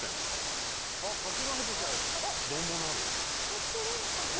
やってるのかな？